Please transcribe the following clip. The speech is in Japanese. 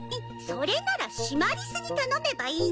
それならシマリスに頼めばいいの。